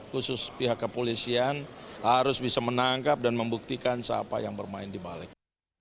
khusus pihak kepolisian harus bisa menangkap dan membuktikan siapa yang bermain di balik